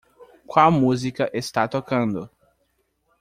Qual música está tocando?